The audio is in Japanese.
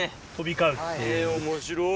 面白い。